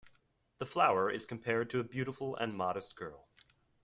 The flower is compared to a beautiful and modest girl.